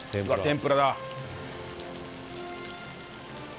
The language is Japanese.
天ぷらだ！